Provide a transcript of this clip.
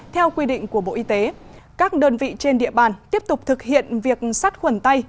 theo quy định của bộ y tế các đơn vị trên địa bàn tiếp tục thực hiện việc sát khuẩn tay